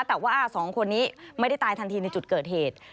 แต่ว่าสองคนนี้ไม่ได้ตายทันทีในจุดเกิดเหตุ